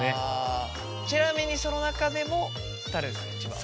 ちなみにその中でも誰ですか一番は？